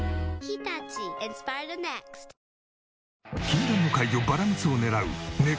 禁断の怪魚バラムツを狙うね